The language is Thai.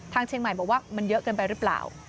เชียงใหม่บอกว่ามันเยอะเกินไปหรือเปล่า